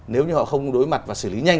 nếu như họ không đối mặt và xử lý nhanh